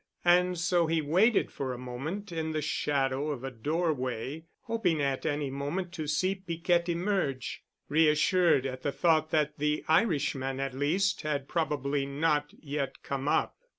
And so he waited for a moment in the shadow of a doorway, hoping at any moment to see Piquette emerge, reassured at the thought that the Irishman at least had probably not yet come up.